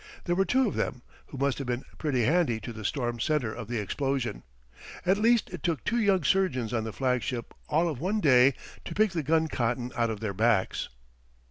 There were two of them who must have been pretty handy to the storm centre of the explosion. At least, it took two young surgeons on the flag ship all of one day to pick the gun cotton out of their backs.